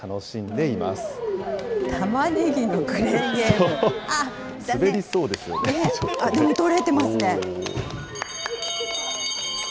でも、取れてますね。